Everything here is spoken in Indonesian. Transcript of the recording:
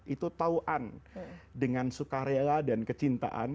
itu tauan dengan sukarela dan kecintaan